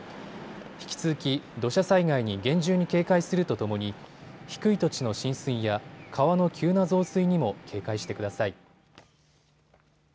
引き続き土砂災害に厳重に警戒するとともに低い土地の浸水や川の急な増水にも警戒してください。